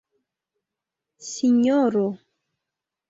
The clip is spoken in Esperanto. sinjoro